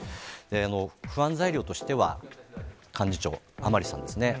不安材料としては、幹事長、甘利さんですね。